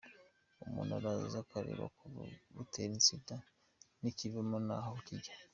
Umuntu araza akareba kuva batera insina n’ikivamo n’aho kijya.